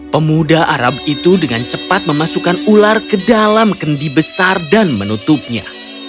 pemuda arab itu dengan cepat memasukkan ular ke dalam kendi besar dan menutupnya